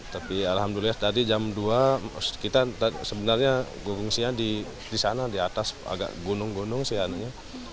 tapi alhamdulillah tadi jam dua sebenarnya gugung siang di sana di atas agak gunung gunung siangnya